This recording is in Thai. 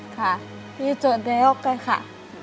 ค่ะพี่จะได้โอเคค่ะ